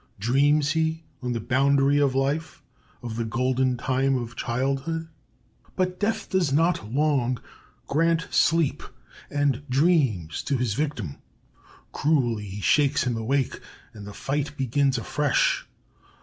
Dreams he, on the boundary of life, of the golden time of childhood? "But Death does not long grant sleep and dreams to his victim. Cruelly he shakes him awake, and the fight begins afresh.